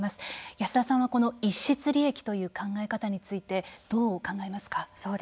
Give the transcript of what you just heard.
安田さんは、この逸失利益という考え方について、どう考えますか。